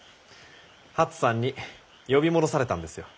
初さんに呼び戻されたんですよ。